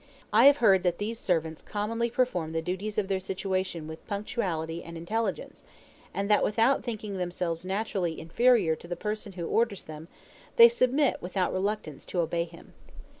I have heard that these servants commonly perform the duties of their situation with punctuality and intelligence; and that without thinking themselves naturally inferior to the person who orders them, they submit without reluctance to obey him.